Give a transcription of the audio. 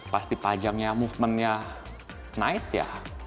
pasti pajangnya movementnya nice ya